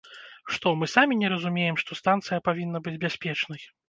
Што, мы самі не разумеем, што станцыя павінна быць бяспечнай?